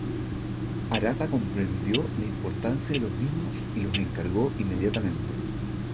Arata comprendió la importancia de los mismos y los encargó inmediatamente.